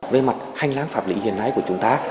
về mặt hành lang pháp lý hiện nay của chúng ta